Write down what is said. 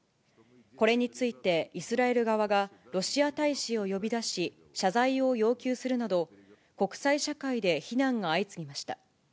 これについて、イスラエル側がロシア大使を呼び出し、謝罪を要求するなど、国際社会で非難が相次ぎました。